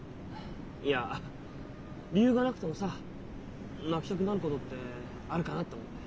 いや理由がなくてもさ泣きたくなることってあるかなと思って。